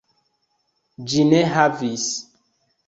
Ĝi ne havis.